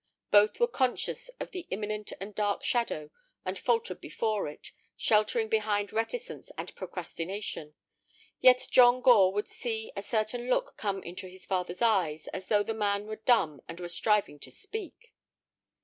Both were conscious of the imminent and dark shadow, and faltered before it, sheltering behind reticence and procrastination. Yet John Gore would see a certain look come into his father's eyes, as though the man were dumb and were striving to speak.